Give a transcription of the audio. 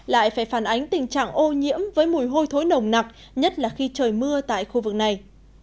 lại phải phản ánh tình trạng ô nhiễm với mùi hôi thối nồng nặc nhất là khi trời mưa tại khu vực này